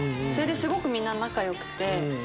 それですごくみんな仲良くて。